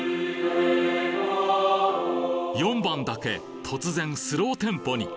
四番だけ突然スローテンポに。